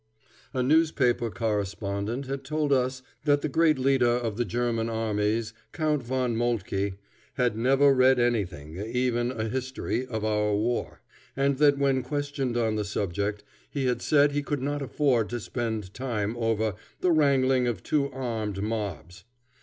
A newspaper correspondent has told us that the great leader of the German armies, Count Von Moltke, has never read anything even a history of our war, and that when questioned on the subject, he has said he could not afford to spend time over "the wrangling of two armed mobs."